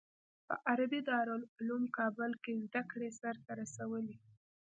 په عربي دارالعلوم کابل کې زده کړې سر ته رسولي.